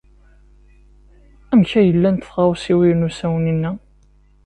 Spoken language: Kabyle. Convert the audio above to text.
Amek ay llant tɣawsiwin usawen-inna?